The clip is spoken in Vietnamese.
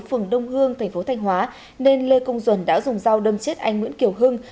phường đông hương tp thanh hóa nên lê công duẩn đã dùng dao đâm chết anh nguyễn kiểu hưng